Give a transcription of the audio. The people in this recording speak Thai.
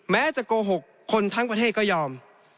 แม้จะโกหกคนทั้งประเทศก็ยอม